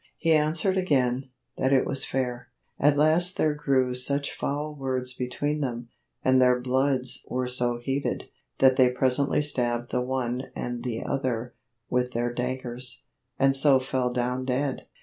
He answered againe, that it was faire. At last there grew such foule words betweene them, and their bloods were so heated, that they presently stabbed the one the other with their Daggers, and so fell downe dead.